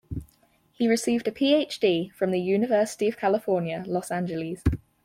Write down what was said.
He received a Ph.D. from the University of California, Los Angeles.